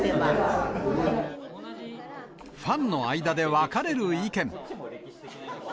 ファンの間で分かれる意見。